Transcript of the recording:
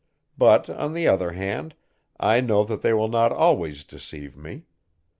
But, on the other hand, I know that they will not always deceive me.